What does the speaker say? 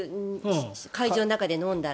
会場の中で飲んだら。